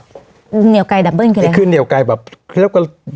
เหนียวกายดับเบิ้ลคืออะไรคือเหนียวกายแบบ